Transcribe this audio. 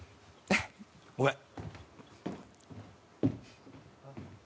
ごめん。